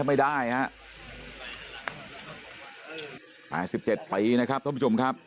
ไม่ได้ฮะแปดสิบเจ็ดปีนะครับท่านผู้ชมครับ